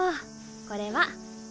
これは。